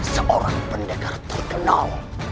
seorang pendekar terkenal